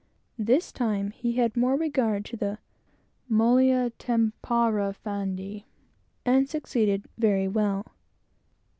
This time he had more regard to the "mollia tempora fandi," and succeeded very well.